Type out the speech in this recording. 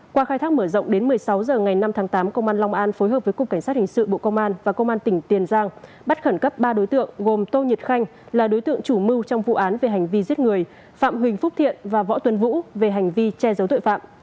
qua khai thác mở rộng đến một mươi sáu h ngày năm tháng tám công an long an phối hợp với cục cảnh sát hình sự bộ công an và công an tỉnh tiền giang bắt khẩn cấp ba đối tượng gồm tô nhật khanh là đối tượng chủ mưu trong vụ án về hành vi giết người phạm huỳnh phúc thiện và võ tuấn vũ về hành vi che giấu tội phạm